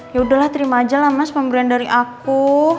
yaudah lah terima aja lah mas pemberian dari aku